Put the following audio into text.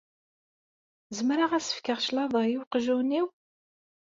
Zemreɣ ad s-fkeɣ cclaḍa i uqjun-iw?